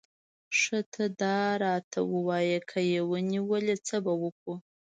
ښه ته داراته ووایه، که یې ونیولې، څه به کوو؟